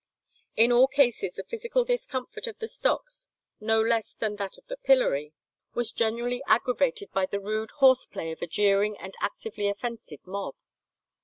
In all cases the physical discomfort of the stocks, no less than that of the pillory, was generally aggravated by the rude horse play of a jeering and actively offensive mob.